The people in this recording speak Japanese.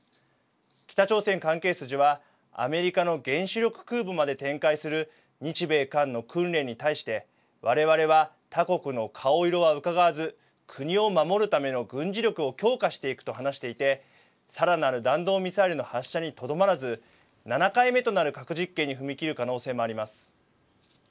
北朝鮮関係筋はアメリカの原子力空母まで展開する日米韓の訓練に対して我々は他国の顔色はうかがわず国を守るための軍事力を強化していくと話していてさらなる弾道ミサイルの発射にとどまらず７回目となる核実験に踏み切る可能性もあります。